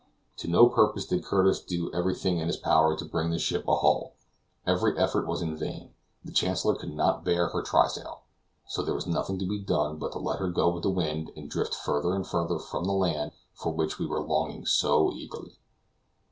To no purpose did Curtis do everything in his power to bring the ship ahull; every effort was in vain; the Chancellor could not bear her trysail, so there was nothing to be done but to let her go with the wind, and drift further and further from the land for which we are longing so eagerly.